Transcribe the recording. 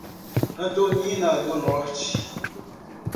Antonina do Norte